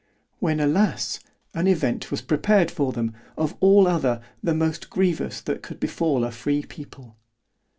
——When alas! an event was prepared for them, of all other, the most grievous that could befal a free people.